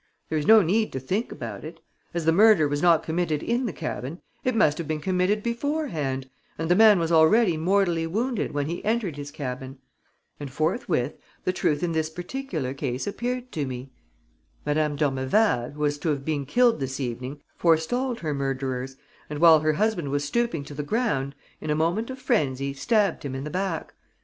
There is no need to think about it. As the murder was not committed in the cabin, it must have been committed beforehand and the man was already mortally wounded when he entered his cabin. And forthwith the truth in this particular case appeared to me. Madame d'Ormeval, who was to have been killed this evening, forestalled her murderers and while her husband was stooping to the ground, in a moment of frenzy stabbed him in the back.